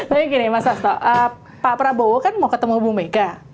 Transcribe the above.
tapi gini mas rasto pak prabowo kan mau ketemu ibu megan